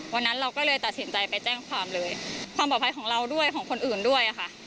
วันนั้นเราก็เลยตัดสินใจไปแจ้งความเลยความปลอดภัยของเราด้วยของคนอื่นด้วยค่ะ